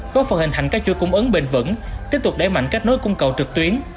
góp phần hình thành các chuỗi cung ứng bền vững tiếp tục đẩy mạnh kết nối cung cầu trực tuyến